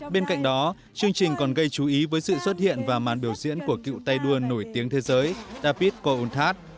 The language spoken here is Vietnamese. bên cạnh đó chương trình còn gây chú ý với sự xuất hiện và màn biểu diễn của cựu tay đua nổi tiếng thế giới dapit countad